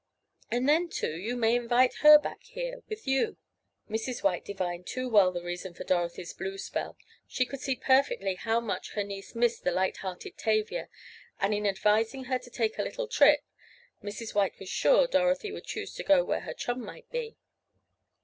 And then, too, you may invite her back here with you." Mrs. White divined too well the reason for Dorothy's "blue spell." She could see perfectly how much her niece missed the light hearted Tavia, and in advising her to take a little trip Mrs. White was sure Dorothy would choose to go where her chum might be.